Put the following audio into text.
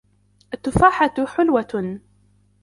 التُّفَّاحَةُ حلْوَةٌ.